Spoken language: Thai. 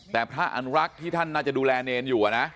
แต่พระอนุรักษ์ที่ท่านน่าจะดูแลเนรอยู่นะ